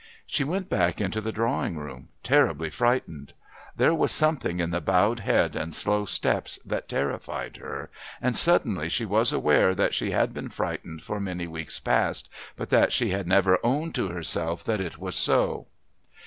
She went back into the drawing room terribly frightened. There was something in the bowed head and slow steps that terrified her, and suddenly she was aware that she had been frightened for many weeks past, but that she had never owned to herself that it was so.